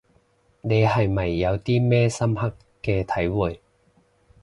你係咪有啲咩深刻嘅體會